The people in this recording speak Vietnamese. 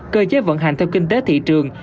cơ chế vận hành theo kinh tế thị trường